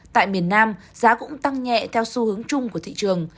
tại miền nam giá cũng tăng nhẹ theo xu hướng chung của thị trường